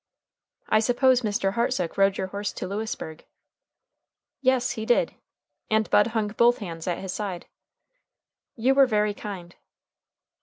"I suppose Mr. Hartsook rode your horse to Lewisburg?" "Yes, he did;" and Bud hung both hands at his side. "You were very kind."